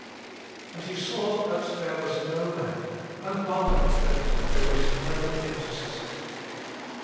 "And He saw that there was no man, and wondered that there was no intercessor."